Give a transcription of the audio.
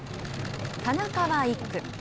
田中は１区。